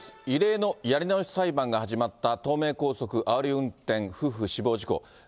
異例のやり直し裁判が始まった東名高速あおり運転、夫婦死亡事故。